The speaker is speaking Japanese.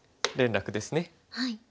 連絡ですね。